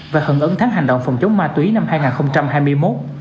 và hận ứng tháng hành động phòng chống ma túy năm hai nghìn hai mươi một